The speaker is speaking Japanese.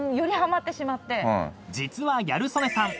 ［実はギャル曽根さん